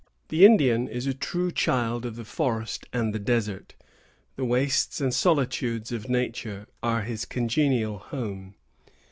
The Indian is a true child of the forest and the desert. The wastes and solitudes of nature are his congenial home.